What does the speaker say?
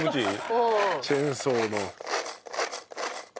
チェーンソーの。